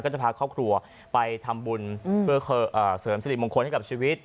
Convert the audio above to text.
จะพาครอบครัวไปทำบุญเพื่อเสริมสิริมงคลให้กับชีวิต